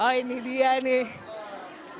oh ini dia nih